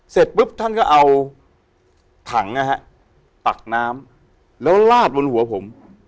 เสร็จปุ๊บท่านก็เอาถังนะฮะตักน้ำแล้วลาดบนหัวผม